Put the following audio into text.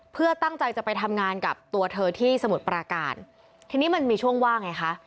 เพื่อตั้งใจจะไปทำงานกับตัวเธอที่สมุทรปราการทีนี้มันมีช่วงว่างไงคะ